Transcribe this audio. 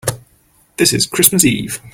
This is Christmas Eve.